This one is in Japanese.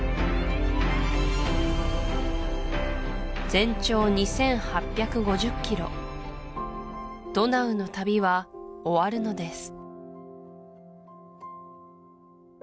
全長２８５０キロドナウの旅は終わるのです